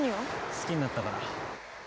「好きになったから」